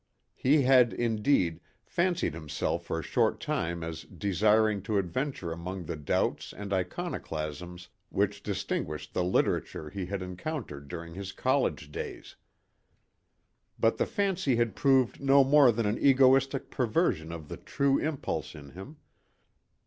He had, indeed, fancied himself for a short time as desiring to adventure among the doubts and iconoclasms which distinguished the literature he had encountered during his college days. But the fancy had proved no more than an egoistic perversion of the true impulse in him.